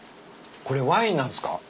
これワインなんすか？